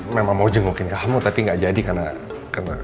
memang mau jengukin kamu tapi gak jadi karena